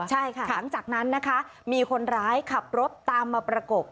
ใช่ค่ะหลังจากนั้นนะคะมีคนร้ายขับรถตามมาประกบ